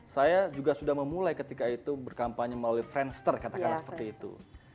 saya juga sudah memulai ketika itu berkampanye melalui friendster katakanlah seperti itu